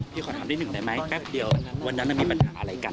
ขอถามนิดหนึ่งได้ไหมแป๊บเดียววันนั้นมีปัญหาอะไรกัน